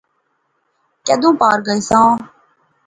کیدوں پار گیساں؟